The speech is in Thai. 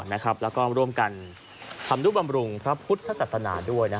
แล้วก็ร่วมกันทำนุบำรุงพระพุทธศาสนาด้วย